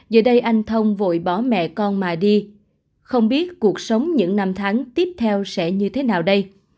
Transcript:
giờ đây anh thông vội bỏ mẹ con mà đi không biết cuộc sống những năm tháng tiếp theo sẽ như thế nào đây